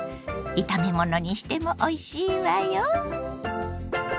炒め物にしてもおいしいわよ！